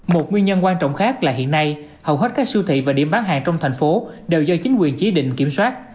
một nguyên nhân quan trọng khác là hiện nay hầu hết các siêu thị và điểm bán hàng trong thành phố đều do chính quyền chỉ định kiểm soát